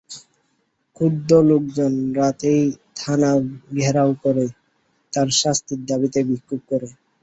ক্ষুব্ধ লোকজন রাতেই থানা ঘেরাও করে তাঁর শাস্তির দাবিতে বিক্ষোভ করে।